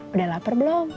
udah lapar belum